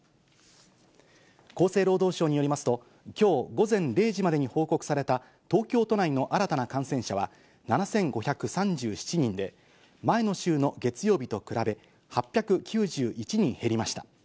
厚生労働省によりますと、きょう午前０時までに報告された東京都内の新たな感染者は７５３７人で、前の週の月曜日と比べ、８９１人減りました。